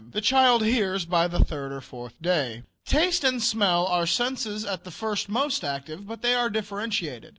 The child hears by the third or fourth day. Taste and smell are senses at the first most active, but they are differentiated.